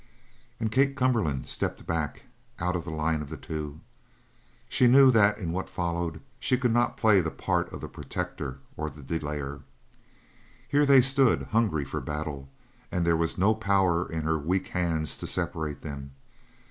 And Kate Cumberland stepped back, out of line of the two. She knew that in what followed she could not play the part of the protector or the delayer. Here they stood, hungry, for battle, and there was no power in her weak hands to separate them.